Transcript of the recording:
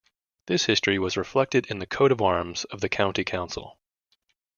This history was reflected in the coat of arms of the county council.